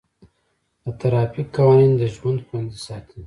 د ټرافیک قوانین د ژوند خوندي ساتي.